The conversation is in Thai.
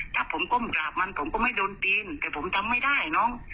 ถ้าผมก้มกราบมันผมก็ไม่โดนตีนแต่ผมจำไม่ได้น้อง